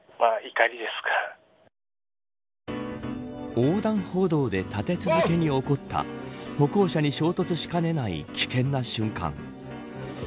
横断歩道で立て続けに起こった歩行者に衝突しかねない危険な瞬間。